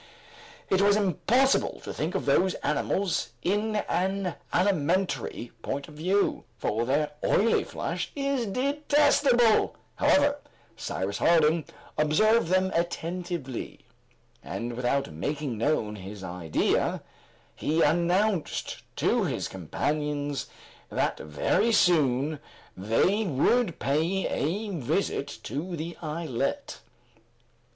It was impossible to think of those animals in an alimentary point of view, for their oily flesh is detestable; however, Cyrus Harding observed them attentively, and without making known his idea, he announced to his companions that very soon they would pay a visit to the islet.